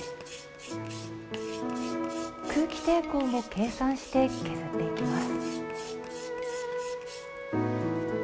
空気抵抗も計算して削っていきます。